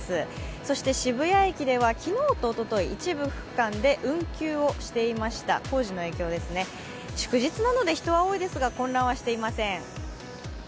そして渋谷駅では、昨日とおとといい、一部区間で運休をしていました工事の影響ですね祝日なので人は多いですが混乱はしていません。